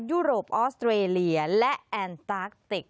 ยุโรปออสเตรเลียและแอนตาร์คติก